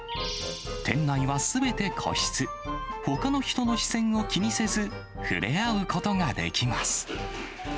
店内はすべて個室、ほかの人の視線を気にせず、触れ合うことができます。